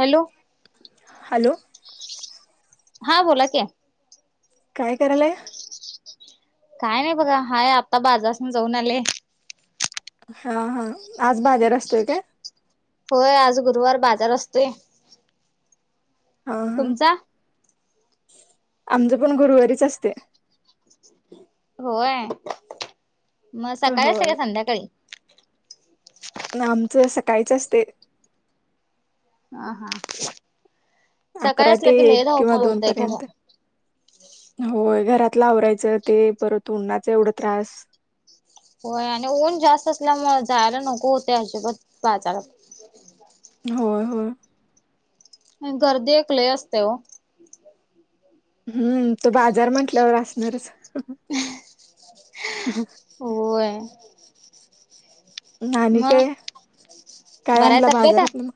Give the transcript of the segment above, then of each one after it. Hello hello हा बोला कि काय करायलाय? काय नाही बघा हाय आत्ता बाजारासन जाऊन आले. हा हा आज बाजर असतोय का? होय आज गुरुवार बाजार असतोय. हा हा तुमचा आमचं पण गुरुवारीच असतेय. होय मग सकाळीच असतेय होय का संध्याकाळी? आमचं सकाळीच असतंय. हा हा सकाळी अकरा असलं ते की लय एक किंवा धावपळ दोन होतय खरं पर्यंत. होय घरातला आवरायचं ते परत उन्हानाच एवढं त्रास होय आणि ऊन जास्त असल्यामुळे जायला नको होत अजिबात बाजारात होय होय गर्दी लय असती ओ हम्म तो बाजार म्हंटल्यावर असणारच होय आणि मग काय काय बराय आणला तब्येत बाजारातन मग?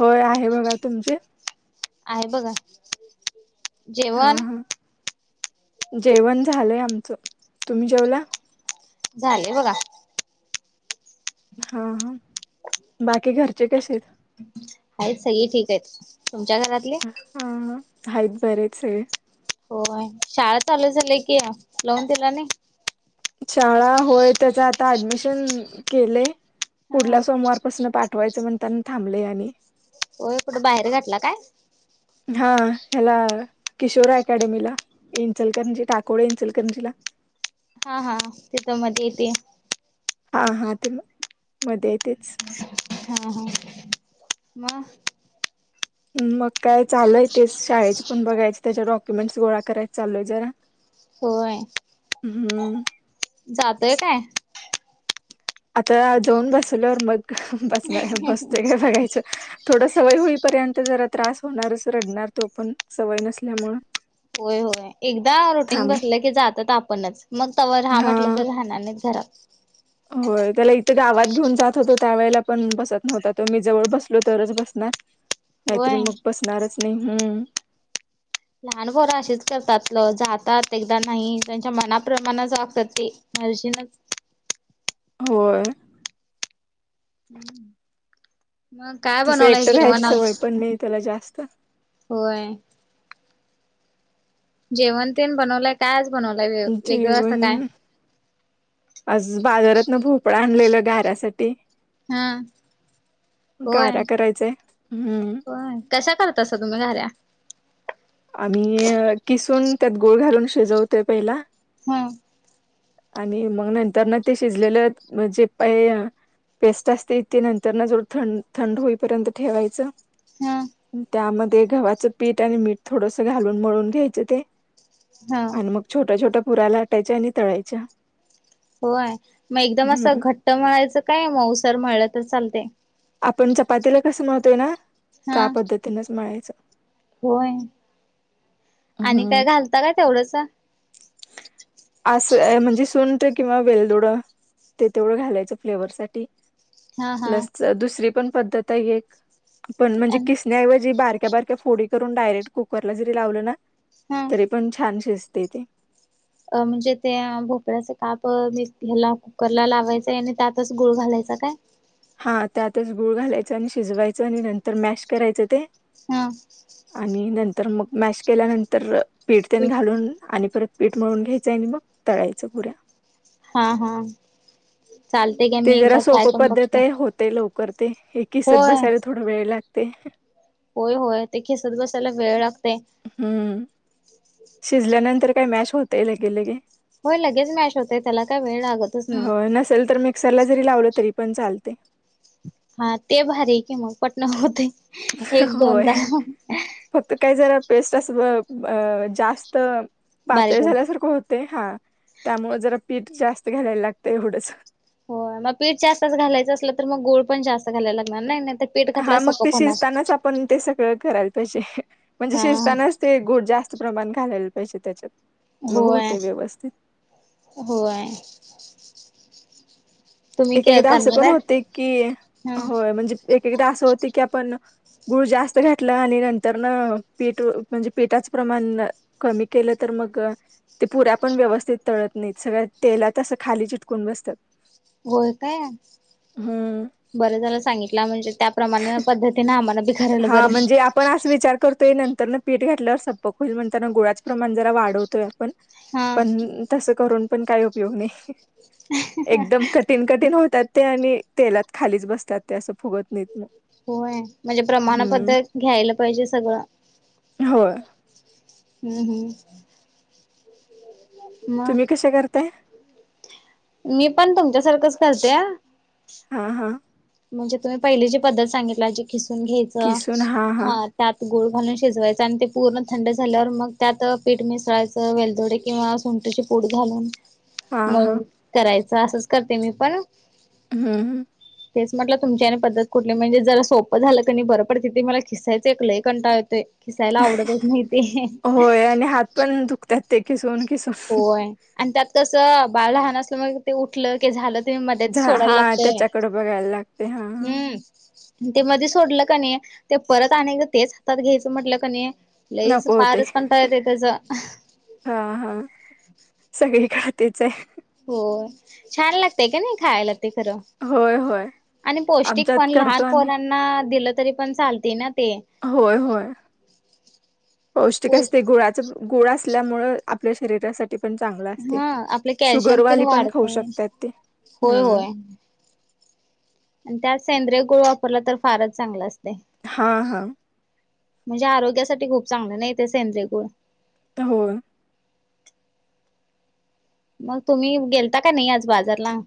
होय आहे बघा तुमचे? आहे बघा हा जेवण? हा जेवण झालंय आमचं तुम्ही जेवला? झालेय बघा. हा हा बाकी घरचे कसे आहेत? आहेत, सगळे ठीक आहेत. तुमच्या घरात? हा, आहेत बरेत सगळे. होय. शाळा चालू झाली की या. लावून दिला नाही? शाळा? होय, त्याचं आता ऍडमिशन केलंय. हा. पुढल्या सोमवार पासनं पाठवायचं म्हणताना थांबलय आणि होय, कुठं बाहेर घातला काय? हा, ह्याला, किशोर अकॅडमीला इंचलकरंजीत, टाकोडे, इंचलकरंजीला. हा-हा, तिथं मधे आहे ते. हा-हा, ते मधे आहे तेच. हा, हा, मं? मग काय, चालू आहे तेच, शाळेचं पण बघायचं त्याच्या, डॉक्युमेंट्स गोळा करायचं चालू आहे जरा. होय? हम्म! जातोय काय? आता जाऊन बसल्यावर, मग बसणार-बसतोय काय बघायचं. थोडं सवय होईपर्यंत जरा त्रास होणारच, रडणार तो पण सवय नसल्यामुळं. होय, होय. एकदा रुटीन बसलं की जातात आपणच, मग तवा राहा हा म्हटलं तरी राहणार नाहीत घरात होय, त्याला इथं गावात घेऊन जात होतो, त्यावेेळेला पण बसत नव्हता तो, मी जवळ बसलो तरच बसणार. नाहीतर होय. मग बसणारच नाही. हम्म! लहान पोरं अशीच करतात, ल-जातात, एकदा नाही, त्यांच्या मनाप्रमाणच वागतात ती, मर्जीनच होय. हम्, मग? काय तसं बनवलंय एकटं जेवण राहायची आज? सवय पण नाही त्याला जास्त. होय? जेवण तेन बनवलंय काय आज बनवलंय, वेगळं असं काय? जेवण आज बाजारातनं भोपळां आणलेला घाऱ्यासाठी. हा. होय घाऱ्या करायचाय. हम्म. होय कशा करतासा तुम्ही घाऱ्या? आम्ही, किसून त्यात गुळ घालून शिजवतोय पहिला. हम. आणि मग नंतरनं ते शिजलेलं म्हणजे पहिय पेस्ट असते ती नंतरनं जो थं-थंड होईपर्यंत ठेवायचं. हा त्यामध्ये गव्हाचं पीठ आणि मीठ थोडसं घालून, मळून घ्यायचं ते. हा. आणि मग छोट्या छोट्या पुऱ्या लाटायच्या आणि तळायच्या. होय! मग एकदम असं हम्म घट्ट म्हणायचं काय मऊसर म्हळलं तर चालतंय? आपण चपातीला कसं मळतोय ना, हा त्या पद्धतीनच मळायचं. होय? आणि हम्म. काय घालता काय तेवढंच? असं, अ-म्हणजे सुंठ किंवा वेलदोडा ते तेवढं घालायचं फ्लेवर साठी. हा, हा. प्लस दुसरी पण पद्धत आहे एक, पण म्हणजे किस ण्याऐवजी बारक्या बारक्या फोडी करून डायरेक्ट कुकरला जरी लावलं ना? हा तरी पण छान शिज तय ते. अ म्हणजे ते भोपळ्याचे काप ह्याला कुकरला लावायचंय आणि त्यातच गुळ घालायचा काय? हा त्यातच गुळ घालायचा आणि शिजवायचं आणि नंतर मॅश करायचं ते. हा आणि नंतर मग मॅश केल्यानंतर- पीठ तेल घालून आणि परत पीठ मळून घ्यायचंय आणि मग तळायचं पुऱ्या. हा हा चालते का ते मी जरा एकदा ट्राय सोप करून पद्धत बघते आहे होतय लवकर ते. हे किसत होय बसायला थोडा वेळ लागतेय. होय होय, ते किसत बसायला वेळ लागतेय. हम्म. शिजल्यानंतर काय मॅश होतय लगे लगे. होय लगेच मॅश होतय, त्याला काय वेळ लागतच नाही. नंतर मिक्सरला जरी लावलं तरी पण चालतय. हा ते भारी कि मग, पटण होतय. होय. फक्त काही जरा पेस्ट अस अ जास्त बारीक पातळ हो झाल्यासारखं होत- ते हा, त्यामुळे जरा पीठ जास्त घालायला लागतं एवढंच. हो मग पीठ जास्तच घालायचं असलं तर मग गुळ पण जास्त घालायला लागणार नाहीतर - हा मग ते शिजतानाच आपण ते सगळं करायला पाहिजे, म्हणजे हा शिजतानाच ते गुळ जास्त- प्रमाण घालायला पाहिजे त्याच्यात. मग होय. होते व्यवस्थित. होय. तुम्ही एक केअर एकदा असं पण करणार आहे होते की, हा होय म्हणजे एक एकदा असं होते की आपण- गुळ जास्त घातला आणि नंतर ना पीठ म्हणजे पिठाच प्रमाण- कमी केलं तर मग- ते पुऱ्या पण व्यवस्थित तळत नाहीत, सगळ्या तेलात असं खाली चिटकून बसतात. होय काय? हम्म. बरं झालं सांगितलं, म्हणजे त्या प्रमाणे पद्धतीने आम्हाला बी- करायला हा बरं म्हणजे आप- पण अस विचार करतोय नंतर न पीठ घातल्यावर सप्पक होईल म्हणताना गुळाच प्रमाण जरा वाढवतोय आपण. हा पण तस करून पण काही उपयोग नाही, एकदम कट्- ठीण कठीण होतात ते आणि तेलात खालीच बसतात ते असं फुगत नाहीत ना. होय म्हणजे प्रमाणबद्ध घ्यायला पाहिजे सगळं. होय. हम्म हम्म. मग तुम्ही कशे करताय? मी पण तुमच्यासारखंच करतेया. हा हा. म्हणजे तुम्ही पहिली जी पद्धत सांगितला, जी किसून घ्यायचं हा- त्यात गुळ घालून शिजवायच आणि ते पूर्ण थंड झाल्यावर मग त्यात पीठ मिसळायचं वेलदोडे किंवा सुं- ठची पूड घालून हा हा मंग करायचं, असंच करते मी पण. हम्म हम्म. तेच म्हटलं तुमची आणी पद्धत कुठली म्हणजे जरा सोपं झालं क नी बरं पडत, ते मला किसायंच एक लइ कंटाळा येतोय. खिसायला आवडत नाही माहितीहे. होय आणि हात पण दुखतात ते किसून किसून ह ह. आन् त्यात कसं बाळ लहान असल्यामुळे मग- ते उठल कि झालं ते मध्येच झा सोडाय हा लागतय, त्याच्याकडे बघायला लागते हा हा हम्म. ते मदे सोडलं क नही, ते परत आणयच, तेच हातात घ्यायचं, म्हटलं क नही लईच, नको होते पारच कंटाळा येत य त्याच हा हा. [inaudible] सगळी खातीच ये. हो, छान लागतय क नही खायला ते, खरं? होय होय आणि पौष्टिक पण, आमच्यात लहान करतो आम्ही पोरांना दिलं, तरी पण चालते ना ते. होय होय, पौष्टिक असते, गुळाचं प गुळ असल्यामुळे, आपल्या शरीरासाठी पण चांगलं असते, हा आपले कॅल्शियम तेन शुगरवाली पण खाऊ वाढते शकतात ते, होय हम्म. होय आणि त्यात सेंद्रिय गुळ वापरला, तर फारच चांगलं असतय. हा हा म्हणजे आरोग्यासाठी खूप चांगल, नही तेे सेंद्रियगुळ होय. म तुम्ही गेलता का नाही, आज बाजारला?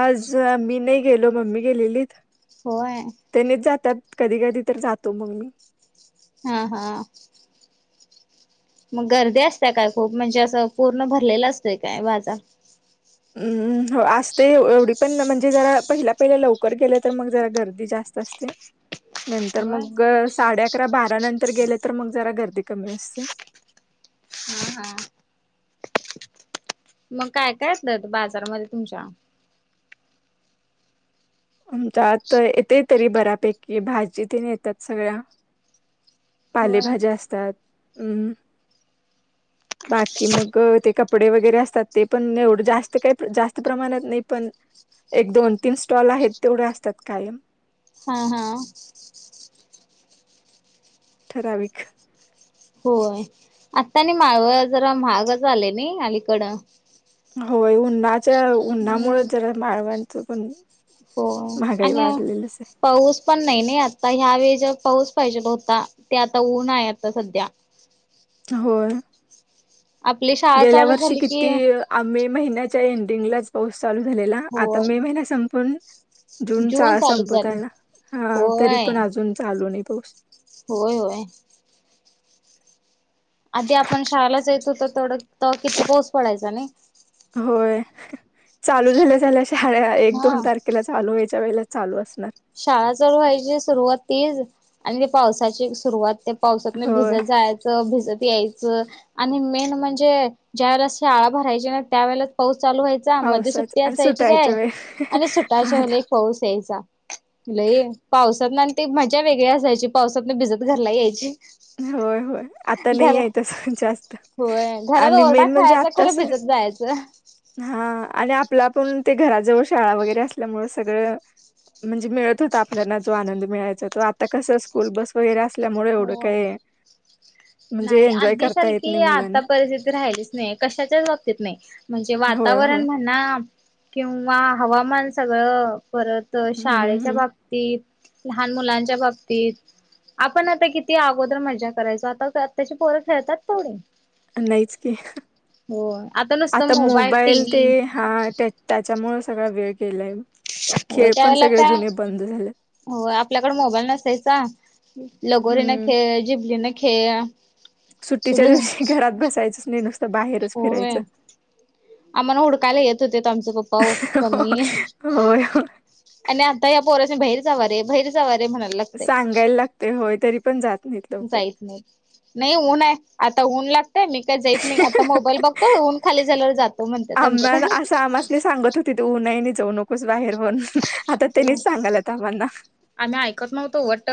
आज मी नही गेलो, मम्मी गेलेलीत. होय. त्यानीच जात्यात, कधी-कधी तर जातो, मंग मी. हा हा. मग गर्दी असत काय खूप? म्हणजे असं पूर्ण भरलेलं असतोय काय बाजार? अं हो असते, एवढी पण, म्हणजे जरा पहिल्या-पहिल्या लवकर गेलं, तर मंग जरा गर्दी जास्त असते. नंतर होय मग, साडे अकरा-बारा नंतर गेले, तर मग जरा गर्दी कमी असते. ह्म हं. मग काय-काय [unintelligible] बाजारामध्ये तुमच्या? आमच्या आता येते, तरी बऱ्यापैकी भाजी ते न, येतात सगळ्या. होय. पालेभाज्या असतात, अम बाकी मग ते कपडे वगैरे असतात, ते पण एवढं जास्त काही, जास्त प्रमाणात नही, पण एक-दोन-तीन स्टॉल आहेत, तेवढे असतात कायम. हं हं. ठराविक होय, आता नही माळव जरा, महाग झाले नही, अलीकडं? होय, उन्हाच्या हम्म. उन्हामुळे जरा, माळवांचं पण हो महागाई आणि वाढलेलच ये. पाऊस पण नही नइ आता, ह्या वेळे जे पाऊस पाहिजेल होता, ते आता ऊन आहे, आता सध्या. होय. आपली शाळा गेल्या चालू वर्षी, झाली की किती मे महिन्याच्या एंडिंगलाच, पाऊस चालू झालेला, आता होय मे महिन्या संपून जून चा चालू संपत झाली. आला हा, तरी होय पण आजून चालू नहीं पाऊस. होय होय. आदि आपण शाळेलाच येतो, त तेवढं त किती पोस पडायचा नही? होय, चालू झाल्या-झाल्या शहाळ्या, एक दोन हा तारखेलाच चालू व्हायच्या वेळेलाच, चालू असणार. शाळा चालू व्हायची सुरुवात तीच आणि ती पावसाची सुरुवात ते प पावसातन होय भिजत जायाचं, भिजत यायचं आणि मेन म्हणजे, ज्या वेळेला शाळा भरायची ना, त्या वेळेलाच पाऊस चालू व्हाय चा, मध्ये पावसाच सुट्टी आणि असायची काय, सुटायच्या वेळ आणि सुटायच्या वेळेला, आता एक पाऊस यायचा. लैय पावसात ना आणि ते मजा वेगळी असायची पावसातनं भिजतं घरला यायची. होय होय आता नाही घर आहे तस जास्त होय घरात आणि ओरडा मेन म्हणजे खायचा आत्ता खर सगळं भिजत जायच च हा आणि आपला पण ते घराजवळ शाळा वगैरे असल्यामुळे सगळं म्हणजे मिळत होता, आपल्याला जो आनंद मिळायचा तो आता कसं स्कूल बस वगैरे असल्यामुळे एवढं हो, काय म्हणजे नाही एन्जॉय आधी करता येत नाही सारखी मुलांना आता परिस्थिती राहालीच नाही, कशाच्याच बाबतीत नाही. म्हणजे होय होय वातावरण नात, किंवा हवामान सगळं परत अं हम्म शाळे च्या हम्म बाबतीत, लहान मुलांच्या बाबतीत आपण आता किती अगोदर मज्जा करायचो आता, आताची पोरं खेळतात थोडी. नाहीच की, आता मोबाईल ते हा त्याच त्याच्यामुळे सगळां वेळ गेलाय. हो खेळ पण त्याला सगळे का, जुने बंद झाले हो आपल्याकड मोबाईल नसायचा. लगोरी नं हम्म खेळ, जिबली नं खेळा सुट्टीच्या दिवशी घरात बसायचंच नाही, नुसतं बाहेरच होय फिरायचं. आम्हाला हुडकायला येत होतेत आमचे पप्पा मम्मी होय होय. आणि आता या पोरा बाहिर जावा रे बाहिर जावा रे म्हणत सांगायला लागतेय होय, तरी पण जात नाही ते. जायित नाही, नाही ऊन आहे आता ऊन लाग जाय मी काय जाईत नाही, मी आता मोबाईल बघतो ऊन खाली झाल्यावर जातो म्हणत्यात आमचं तर. तिथे ऊनये नाही जाऊ नकोस बाहेर वर आता त्यांनीच सांगालाय का आम्हाना आम्ही आयिकत नव्हतो, वट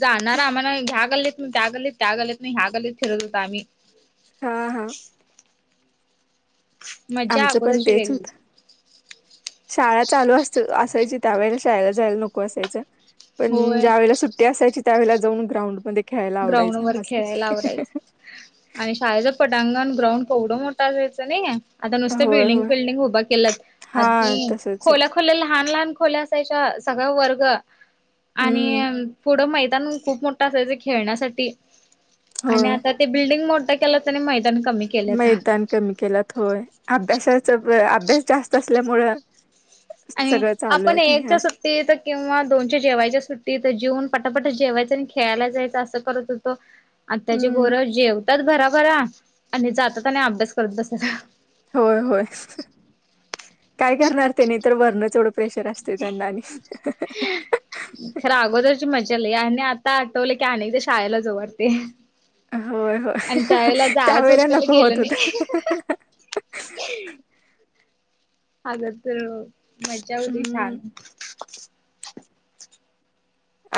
जाणारा आम्हाला ह्या गल्लीत ना त्या गल्लीत, त्या गल्लीत न ह्या गल्लीत फिरत होतो आम्ही. हा -हा, मज्जा आमचं पण अगोदरची तेच वेगळी होत. शाळा चालू असती, असायची त्या वेळेला शाळेला जायला नको असायचं. पण होय ज्या वेळेला सुट्टी असायची, त्यावेेळेला जाऊन ग्राउंड मध्ये खेळायला ग्राउंड आवडायच वर खेळायला मस्तपैकी अं हं आवरायचं. हं आणि शाळेचं पटांगण ग्राउंड केवढ मोठं असायचं नाही आता नुसते होय बिल्डिंग होय -पिल्डिंग उभा केलात हा अीधी तसच आहे खोल्या खोल्या लहान, लहान खोल्या असायच्या सगळं वर्ग आणि हम्म अं पुढं मैदान खूप मोठं असायच की खेळण्यासाठी आणि होय आता ते बिल्डिंग मोठा केल्यात आणि मैदान कमी केलेत मैदान कमी केलात होय, अभ्यासाच -अभ्यास जास्त असल्यामुळं आणि सगळं चालू आहे आपण आता हे यांच्या सा असं. तीथं किंवा दोनच्या जेवायच्या सुट्टीत जेऊन, पटापटा जेवायचं आणि खेळायला जायचं असं करत होतो. आत्ताचे हम्म पोरं जेवतात भराभरा आणि जातात आणि अभ्यास करत बसतात. होय -होय काय करणार तेनी तर वरणच ऐवढं प्रेशर अस ते त्यांना नि, अं, हं हं खरं अगोदरची मज्जा लै आणि आत्ता आठवले की अनेकदा शाळेला जाऊ वाटते. होय होय आणि त्यावेेळेला जायंच त्यावेळेला असतानी नको होत गेलं होत नाही, अं, हं, ही' आगोदर मज्जा होती हम्म छान.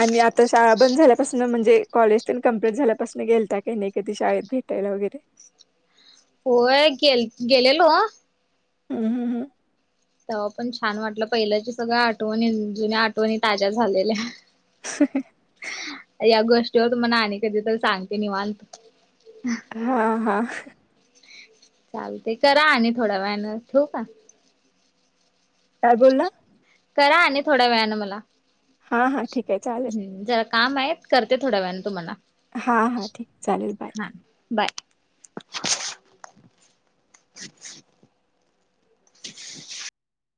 आणि आत्ता शाळा बंद झाल्यापासनं म्हणजे कॉलेज पण कंम्प्लीट झाल्यापासनं गेलता की नाही कधी शाळेत भेटायला वगैरे? होय गेल- गेलेलो. हम हम हम. तेव्हा पण छान वाटलं पहिल्याची सगळ्या आठवणी जुन्या आठवणी ताज्या झालेल्या. [unintelligible] या गोष्टीवर तुम्हाला आणि कधीतरी सांगते निवांत. हा हा. चालतय करा आणि थोड्या वेळानं, ठेऊ का? काय बोलला? करा आणि थोड्या वेळान मला हा हा ठीक आहे चालेल हम्म जरा काम आहेत करते थोड्या वेळाने तुम्हाला. हा हा ठीक चालेल बाय. हा बाय [unintelligible]